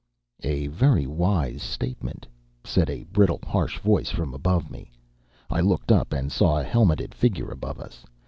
"A very wise statement," said a brittle, harsh voice from above me. I looked up and saw a helmeted figure above us.